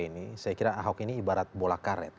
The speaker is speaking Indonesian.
ini saya kira ahok ini ibarat bola karet